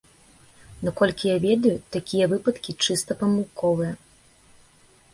Наколькі я ведаю, такія выпадкі чыста памылковыя.